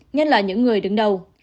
nhất là những người đứng đầu